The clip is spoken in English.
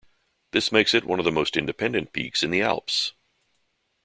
That makes it one of the most independent peaks in the Alps.